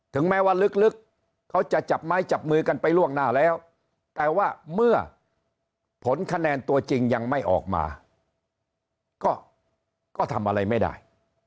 แม้ว่าลึกเขาจะจับไม้จับมือกันไปล่วงหน้าแล้วแต่ว่าเมื่อผลคะแนนตัวจริงยังไม่ออกมาก็ทำอะไรไม่ได้